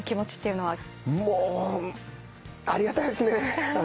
ありがたいですね。